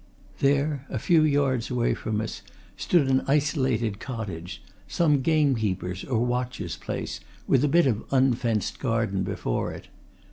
There, a few yards away from us, stood an isolated cottage, some gamekeeper's or watcher's place, with a bit of unfenced garden before it.